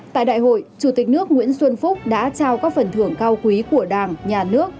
tại đại hội chủ tịch nước nguyễn xuân phúc đã trao các phần thưởng cao quý của đảng nhà nước